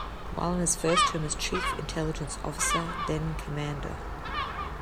While on his first term as Chief Intelligence Officer, then-Cmdr.